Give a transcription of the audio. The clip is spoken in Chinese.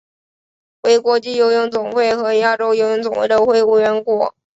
为国际游泳总会和亚洲游泳总会的会员国。